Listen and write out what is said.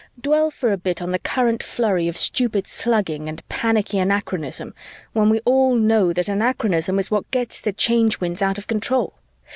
Dwell for a bit on the current flurry of stupid slugging and panicky anachronism, when we all know that anachronism is what gets the Change Winds out of control.